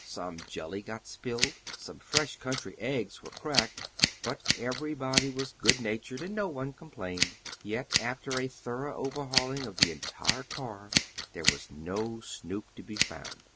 Some jelly got spilled, some fresh country eggs were cracked, but everybody was good natured and no one complained. Yet, after a thorough overhauling of the entire car there was no Snoop to be found!